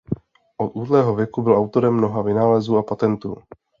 Od útlého věku byl autorem mnoha vynálezů a patentů.